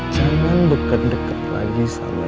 jangan deket deket lagi sama